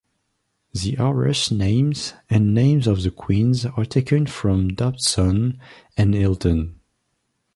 The Horus names and names of the Queens are taken from Dodson and Hilton.